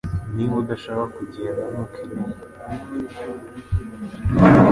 Niba udashaka kugenda ntukeneye